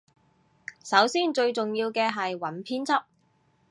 首先最重要嘅係揾編輯